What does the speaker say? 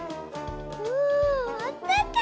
ああったかい！